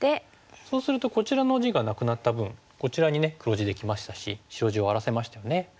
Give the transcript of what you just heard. そうするとこちらの地がなくなった分こちらに黒地できましたし白地を荒らせましたよね。